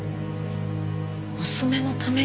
娘のために？